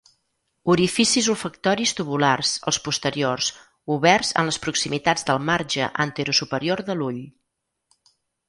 Orificis olfactoris tubulars; els posteriors, oberts en les proximitats del marge anterosuperior de l'ull.